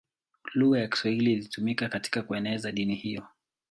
Lugha ya Kiswahili ilitumika katika kueneza dini hiyo.